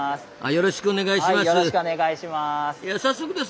よろしくお願いします。